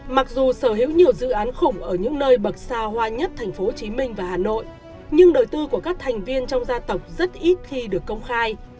mặc dù sở hữu nhiều dự án khủng ở những nơi bậc xa hoa nhất thành phố hồ chí minh và hà nội nhưng đời tư của các thành viên trong gia tộc rất ít khi được công khai